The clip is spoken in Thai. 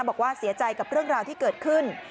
บอกว่าเสียใจกับเรื่องราวที่เกิดขึ้น